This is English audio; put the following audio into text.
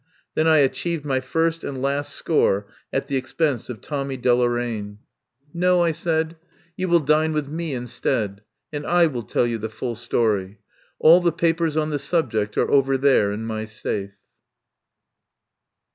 Then I achieved my first and last score at the expense of Tommy Deloraine. 214 RETURN OF THE WILD GEESE "No," I said, "you will dine with me in stead and / will tell you the full story. All the papers on the subject are over there in my safe."